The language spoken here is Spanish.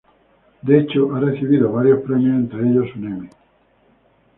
De hecho, ha recibido varios premios, entre ellos un Emmy.